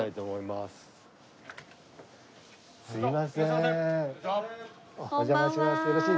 すいません。